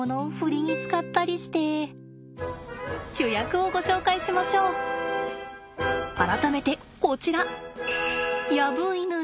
主役をご紹介しましょう改めてこちら。